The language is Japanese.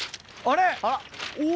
あれ⁉あら。